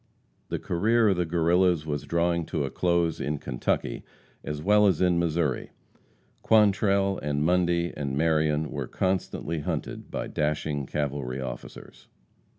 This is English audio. The career of the Guerrillas was drawing to a close in Kentucky as well as in Missouri. Quantrell, and Mundy, and Marion were constantly hunted by dashing cavalry officers.